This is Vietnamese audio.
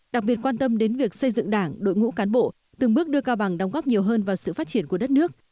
đặc biệt quan tâm đến việc xây dựng đảng đội ngũ cán bộ từng bước đưa cao bằng đóng góp nhiều hơn vào sự phát triển của đất nước